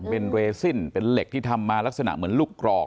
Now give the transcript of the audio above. เป็นเรซินเป็นเหล็กที่ทำมาลักษณะเหมือนลูกกรอก